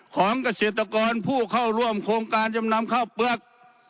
ของเกษตรกรผู้เข้าร่วมโครงการจำนำข้าวเปลือก